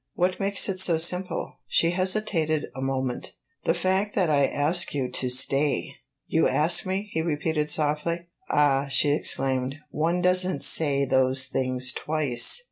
"What makes it so simple?" She hesitated a moment. "The fact that I ask you to stay." "You ask me?" he repeated, softly. "Ah," she exclaimed, "one does n't say those things twice!"